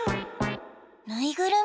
ぬいぐるみ？